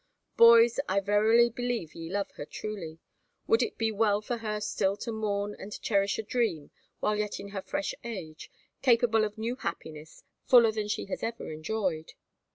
Boys, I verily believe ye love her truly. Would it be well for her still to mourn and cherish a dream while yet in her fresh age, capable of new happiness, fuller than she has ever enjoyed?"